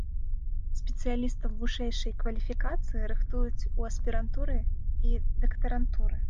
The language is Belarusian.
Спецыялістаў вышэйшай кваліфікацыі рыхтуюць у аспірантуры і дактарантуры.